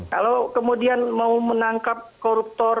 kalau kemudian mau menangkap koruptor